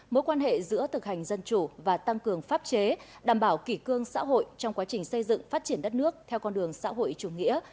mối quan hệ giữa thực hành dân chủ và tăng cường pháp chế đảm bảo kỷ cương xã hội trong quá trình xây dựng phát triển đất nước theo con đường xã hội chủ nghĩa